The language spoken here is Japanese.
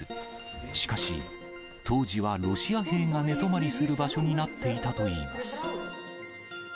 しかし、当時はロシア兵が寝泊まりする場所になっていたといいます。